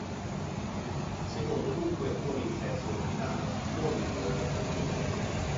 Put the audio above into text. Secondo dunque non in senso ordinale, non in nome del nome.